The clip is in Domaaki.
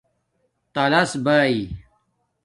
تالس بائئ